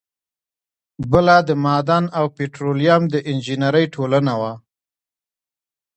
بله د معدن او پیټرولیم د انجینری ټولنه وه.